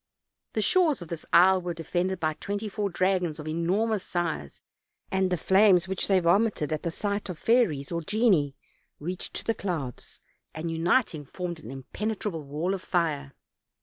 The shores of this isle were defended by twenty four dragons of enormous size; and the flames which they vomited at the sight of fairies or genii reached to the clouds, and uniting, formed an impenetrable wall of fire.